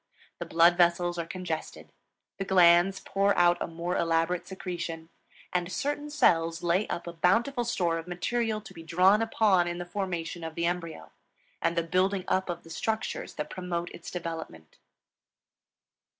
The blood vessels are congested; the glands pour out a more elaborate secretion; and certain cells lay up a bountiful store of material to be drawn upon in the formation of the embryo and the building up of the structures that promote its development.